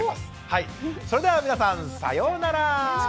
はいそれでは皆さんさようなら！